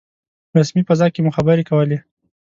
رسمي فضا کې مو خبرې کولې.